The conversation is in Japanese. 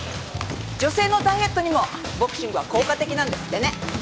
女性のダイエットにもボクシングは効果的なんですってね。